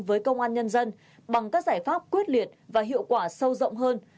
với công an nhân dân bằng các giải pháp quyết liệt và hiệu quả sâu rộng hơn